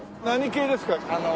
何系ですか？